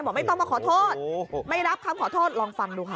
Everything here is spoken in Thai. ไม่ต้องมาขอโทษไม่รับคำขอโทษลองฟังดูค่ะ